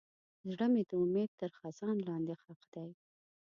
زړه مې د امید تر خزان لاندې ښخ دی.